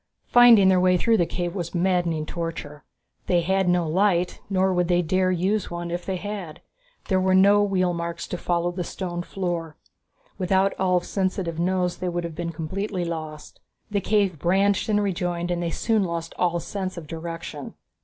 Finding their way through the cave was a maddening torture. They had no light, nor would they dare use one if they had. There were no wheel marks to follow on the stone floor. Without Ulv's sensitive nose they would have been completely lost. The cave branched and rejoined and they soon lost all sense of direction.